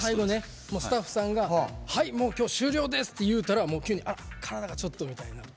スタッフさんがはい、今日終了ですって言うたら急に、あ、体がちょっと。